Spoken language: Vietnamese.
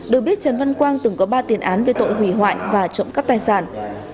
được biết trần văn quang từng có ba tiền án về tội hủy hoại và trộm cắp tài sản